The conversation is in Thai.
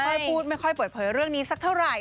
ค่อยพูดไม่ค่อยเปิดเผยเรื่องนี้สักเท่าไหร่